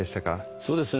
そうですね